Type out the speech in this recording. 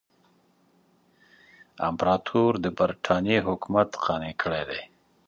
امپراطور د برټانیې حکومت قانع کړی دی.